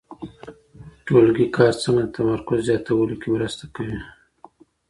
ټولګي کار څنګه د تمرکز زیاتولو کي مرسته کوي؟